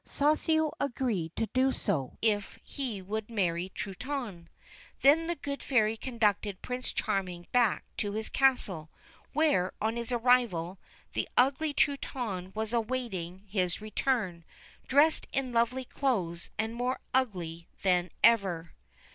Soussio agreed to do so if he would marry Truitonne. Then the Good Fairy conducted Prince Charming back to his castle, where, on his arrival, the ugly Truitonne was awaiting his return, dressed in lovely clothes, and more ugly than ever.